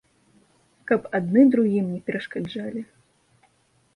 Каб адны другім не перашкаджалі.